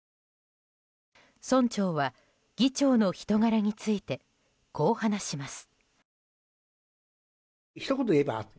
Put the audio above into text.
村長は、議長の人柄についてこう話します。